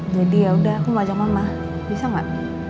jadi yaudah aku mau ajak mama bisa nggak